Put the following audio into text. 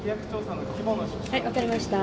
はい、分かりました。